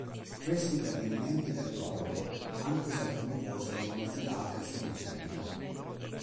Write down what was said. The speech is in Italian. Questi gli avvenimenti del prologo, anche se alcune cose vengono svelate solo in seguito.